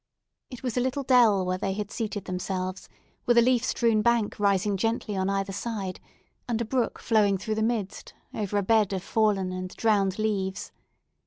It was a little dell where they had seated themselves, with a leaf strewn bank rising gently on either side, and a brook flowing through the midst, over a bed of fallen and drowned leaves.